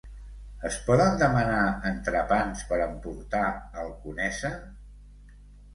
Es poden demanar entrepans per emportar al Conesa?